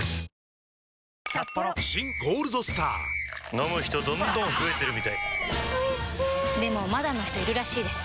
飲む人どんどん増えてるみたいおいしでもまだの人いるらしいですよ